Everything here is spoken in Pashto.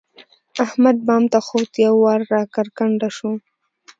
احمد بام ته خوت؛ یو وار را کرکنډه شو.